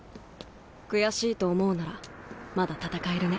悔しいと思うならまだ戦えるね。